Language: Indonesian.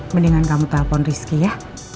mendingan kamu telpon rizky ya